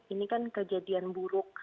ini kan kejadian buruk